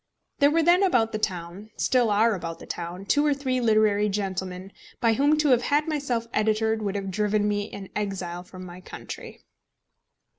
There were then about the town still are about the town two or three literary gentlemen, by whom to have had myself editored would have driven me an exile from my country.